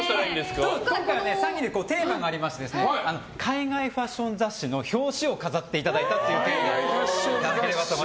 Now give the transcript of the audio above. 今回は３人でテーマがありまして海外ファッション雑誌の表紙を飾っていただいたというテーマで。